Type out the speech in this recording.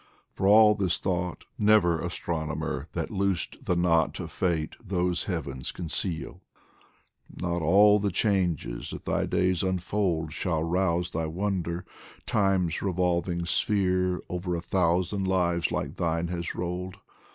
For all his thought, never astronomer That loosed the knot of Fate those Heavens conceal ' Not all the changes that thy days unfold Shall rouse thy wonder ; Time's revolving sphere Over a thousand lives like thine has rolled.